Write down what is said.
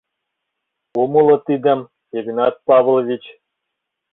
Умыло тидым, Игнат Павлович!